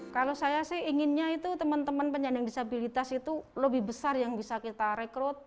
kalau saya sih inginnya itu teman teman penyandang disabilitas itu lebih besar yang bisa kita rekrut